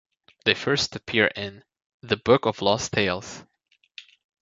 They first appear in "The Book of Lost Tales".